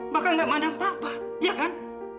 bahkan gak mandang papa ya kan